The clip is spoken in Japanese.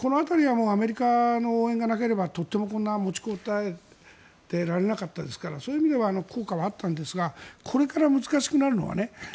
アメリカの応援がなければとても持ちこたえてられなかったですからそういう意味では効果があったんですがこれから難しくなるのはね